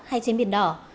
hay trên biển đỏ